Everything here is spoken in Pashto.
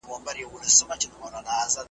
نسکور وېشي جامونه نن مغان په باور نه دی .